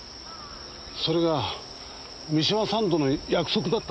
それが三島さんとの約束だったからです。